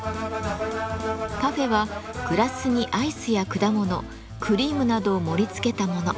パフェはグラスにアイスや果物クリームなどを盛りつけたもの。